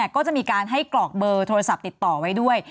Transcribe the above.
ก็จะมีการให้กรอกเบอร์โทรศัพท์ติดต่อไว้ด้วย